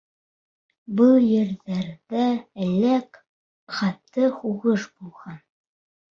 Был ерҙәрҙә элек ҡаты һуғыш булған.